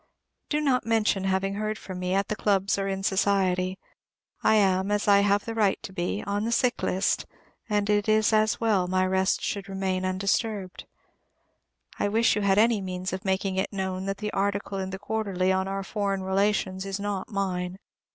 Do not mention having heard from me, at the clubs or in society. I am, as I have the right to be, on the sick list, and it is as well my rest should remain undisturbed. I wish you had any means of making it known that the article in the "Quarterly," on our Foreign relations, is not mine.